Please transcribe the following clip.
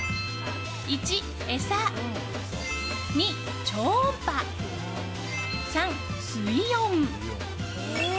１、餌２、超音波３、水温。